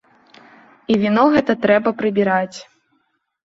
І віно гэта трэба прыбіраць.